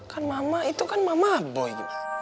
kan mama itu kan mama boy